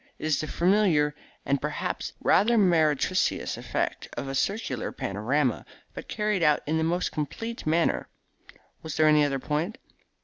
It is the familiar and perhaps rather meretricious effect of a circular panorama, but carried out in the most complete manner. Was there any other point?"